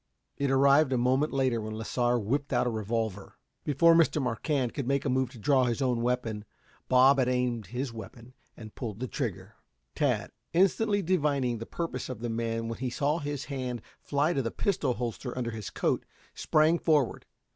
It arrived a moment later when Lasar whipped out a revolver. Before Mr. Marquand could make a move to draw his own weapon Bob had aimed his weapon and pulled the trigger. Tad, instantly divining the purpose of the man when he saw his hand fly to the pistol holster under his coat, sprang forward.